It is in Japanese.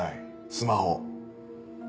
スマホ。